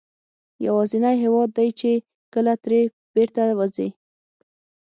یوازینی هېواد دی چې کله ترې بېرته وځې.